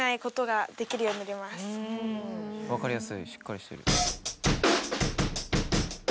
分かりやすいしっかりしてる。